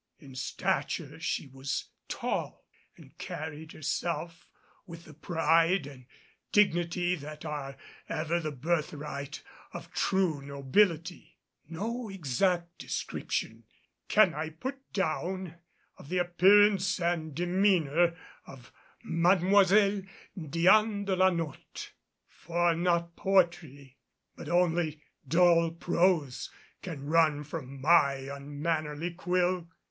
In stature she was tall and carried herself with the pride and dignity that are ever the birthright of true nobility. No exact description can I put down of the appearance and demeanor of Mademoiselle Diane de la Notte; for not poetry but only dull prose can run from my unmannerly quill.